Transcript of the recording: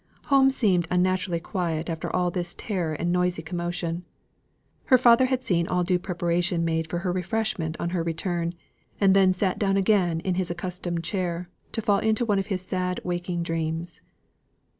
Home seemed unnaturally quiet after all this terror and noisy commotion. Her father had seen all due preparation made for her refreshment on her return; and then sate down again in his accustomed chair, to fall into one of his sad waking dreams.